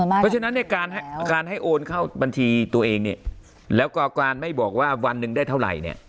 เพราะฉะนั้นเนี่ยการให้โอนเข้าบัญชีตัวเองเนี่ยแล้วก็การไม่บอกว่าวันหนึ่งได้เท่าไหร่เนี่ย